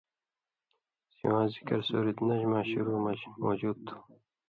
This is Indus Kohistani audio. سِواں ذکر سورت نَجماں شُروع مژ موجود تُھو۔